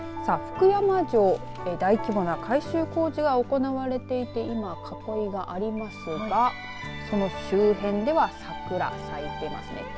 福山城、大規模な改修工事が行われていて今、囲いがありますがその周辺では桜咲いていますね。